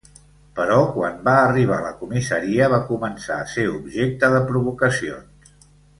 Però quan va arribar a la comissaria va començar a ser objecte de provocacions.